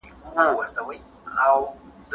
پهلواني په هغه وخت کي ارزښت و.